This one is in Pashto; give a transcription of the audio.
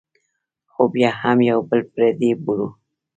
خو بیا هم یو بل پردي بولو.